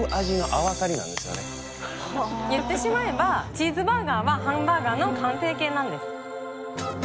言ってしまえばチーズバーガーはハンバーガーの完成形なんです。